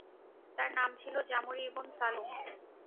তার নাম ছিল যামরী ইবন শালুম।